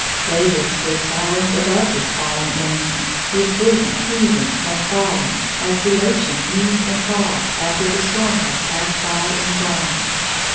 David stood towering above his fallen enemy, his bosom heaving and falling as the. ocean heaves and falls after the storm has passed by and gone.